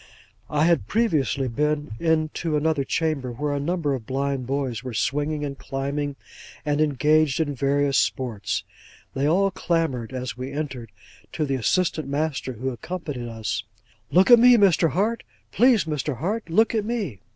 I had previously been into another chamber, where a number of blind boys were swinging, and climbing, and engaged in various sports. They all clamoured, as we entered, to the assistant master, who accompanied us, 'Look at me, Mr. Hart! Please, Mr. Hart, look at me!